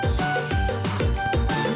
kacau kata banget